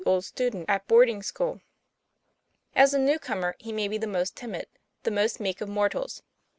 old student at boarding school ? As a new comer, he may be the most timid, the most meek of mortals.